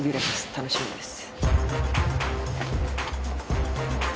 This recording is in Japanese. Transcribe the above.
楽しみです。